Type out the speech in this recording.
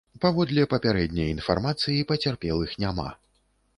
Паводле папярэдняй інфармацыі, пацярпелых няма.